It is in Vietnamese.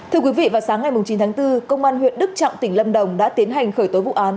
thưa quý vị vào sáng ngày chín tháng bốn công an huyện đức trọng tỉnh lâm đồng đã tiến hành khởi tố vụ án